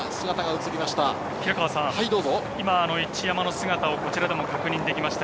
平川さん、一山の姿をこちらでも確認できました。